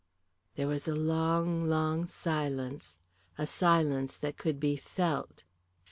There was a long, long silence, a silence that could be felt.